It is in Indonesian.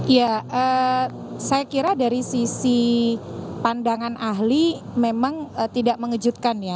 ya saya kira dari sisi pandangan ahli memang tidak mengejutkan ya